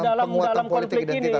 semua terlibat dalam konflik ini